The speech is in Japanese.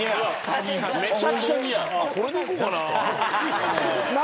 これでいこうかな。